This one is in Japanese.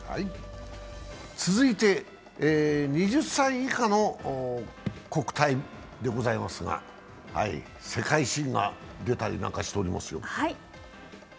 続いて２０歳以下の国体でございますが世界新が出たりなんかしております。